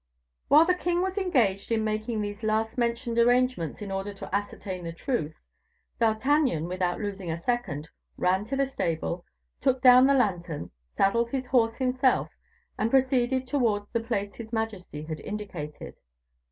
While the king was engaged in making these last mentioned arrangements in order to ascertain the truth, D'Artagnan, without losing a second, ran to the stable, took down the lantern, saddled his horse himself, and proceeded towards the place his majesty had indicated.